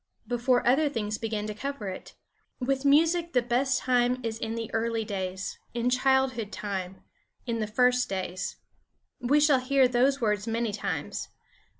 Before other things begin to cover it. With music the best time is in the early days, in childhood time in the first days. We shall hear those words many times.